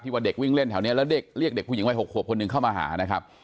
ว่าเด็กวิ่งเล่นแถวนี้แล้วเด็กเรียกเด็กผู้หญิงวัย๖ขวบคนหนึ่งเข้ามาหานะครับ